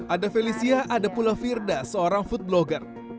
ada felicia ada pula firda seorang food blogger